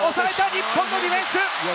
日本のディフェンス！